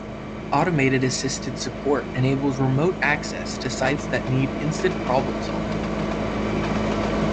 Automated assisted support enables remote access to sites that need instant problem solving.